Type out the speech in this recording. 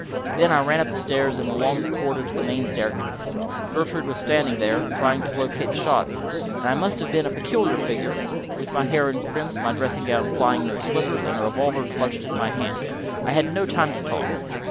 Then I ran up the stairs and along the corridor to the main staircase. Gertrude was standing there, trying to locate the shots, and I must have been a peculiar figure, with my hair in crimps, my dressing gown flying, no slippers, and a revolver clutched in my hands I had no time to talk.